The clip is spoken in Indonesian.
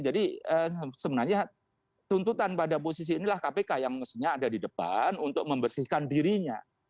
jadi sebenarnya tuntutan pada posisi inilah kpk yang harusnya ada di depan untuk membersihkan dirinya